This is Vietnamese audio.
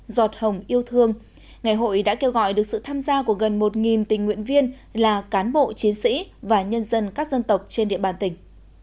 giọt hồng yêu thương ngày hội đã kêu gọi được sự tham gia của gần một tình nguyện viên là cán bộ chiến sĩ và nhân dân các dân tộc trên địa bàn tỉnh